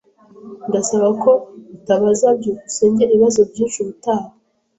Ndasaba ko utabaza byukusenge ibibazo byinshi ubutaha.